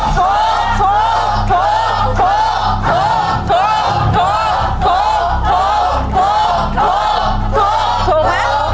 ถูก